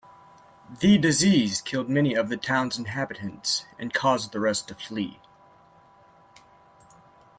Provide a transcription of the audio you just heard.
The disease killed many of the town's inhabitants, and caused the rest to flee.